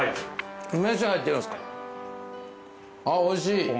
おいしい。